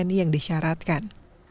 dokumen yang disyaratkan